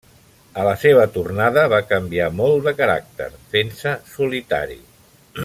A la seva tornada, va canviar molt de caràcter, fent-se solitari.